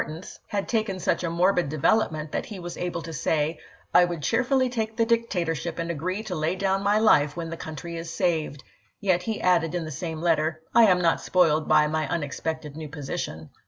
tance had taken such a morbid development that he was able to say : "I would cheerfully take the dictatorship and agree to lay down my life when the country is saved "; yet he added in the same la^s'^own letter, " I am not spoiled by my unexpected new ^K'. position."